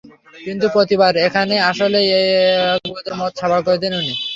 কিন্তু প্রতিবার এখানে আসলেই এক বোতল মদ সাবাড় করে দেন উনি।